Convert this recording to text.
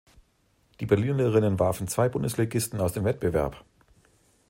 Die Berlinerinnen warfen zwei Bundesligisten aus dem Wettbewerb.